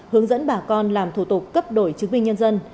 hướng dẫn bà con làm thủ tục cấp đổi chứng minh nhân dân